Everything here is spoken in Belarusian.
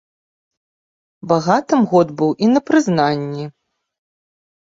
Багатым год быў і на прызнанні.